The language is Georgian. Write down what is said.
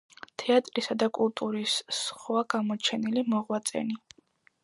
თეატრისა და კულტურის სხვა გამოჩენილი მოღვაწენი.